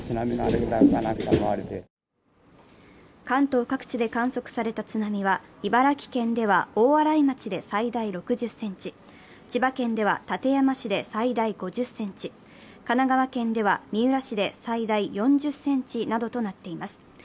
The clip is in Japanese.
関東各地で観測された津波は茨城県では大洗町で最大６０ｃｍ、千葉県では館山市で最大５０ｃｍ、神奈川県では三浦市で最大４０ｃｍなどとなっています。